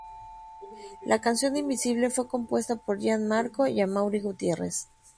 La canción "Invisible" fue compuesta por Gian Marco y Amaury Gutierrez.